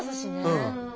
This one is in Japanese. うん。